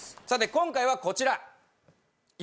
さて今回はこちら！